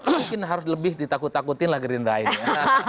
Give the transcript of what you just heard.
mungkin harus lebih ditakut takutin gerindra ini